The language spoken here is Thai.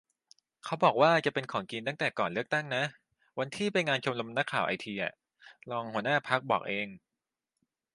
เขาบอกว่าจะเป็นของจีนตั้งแต่ก่อนเลือกตั้งนะ วันที่ไปงานชมรมนักข่าวไอที รองหัวหน้าพรรคบอกเอง